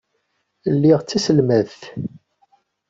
Lliɣ d taselmadt.